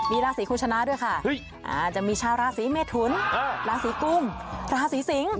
มีราศีคุณชนะด้วยค่ะจะมีชาวราศีเมทุนราศีกุมราศีสิงศ์